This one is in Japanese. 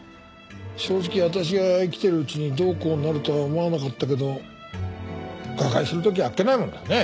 正直私が生きてるうちにどうこうなるとは思わなかったけど瓦解するときゃあっけないものだね。